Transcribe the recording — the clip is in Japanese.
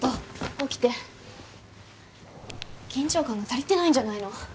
起きて緊張感が足りてないんじゃないの？